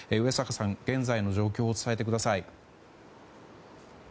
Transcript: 現在の状況を伝えてください。